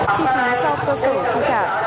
chi phá do cơ sở trị trả